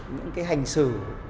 những cái hành xử